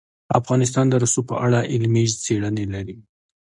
افغانستان د رسوب په اړه علمي څېړنې لري.